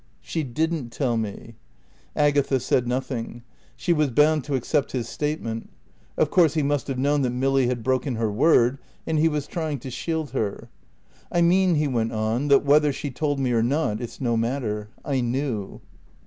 "She didn't tell me." Agatha said nothing. She was bound to accept his statement. Of course, he must have known that Milly had broken her word, and he was trying to shield her. "I mean," he went on, "that whether she told me or not, it's no matter. I knew."